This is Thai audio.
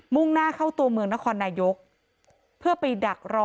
่งหน้าเข้าตัวเมืองนครนายกเพื่อไปดักรอ